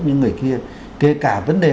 như người kia kể cả vấn đề